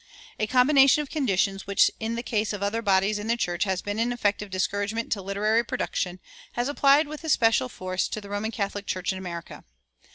A combination of conditions which in the case of other bodies in the church has been an effective discouragement to literary production has applied with especial force to the Roman Catholic Church in America.